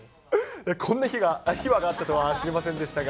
こんな秘話があったとは知りませんでしたが。